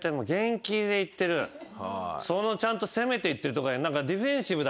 そのちゃんと攻めていってるとこ。